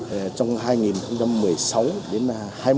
trong hai nghìn một mươi sáu đến hai nghìn hai mươi